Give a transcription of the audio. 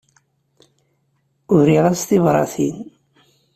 Uriɣ-as tibratin.